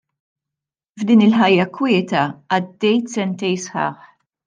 F'din il-ħajja kwieta għaddejt sentejn sħaħ.